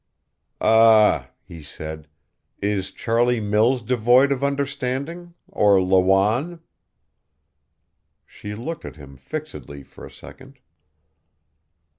"Ah," he said. "Is Charlie Mills devoid of understanding, or Lawanne?" She looked at him fixedly for a second.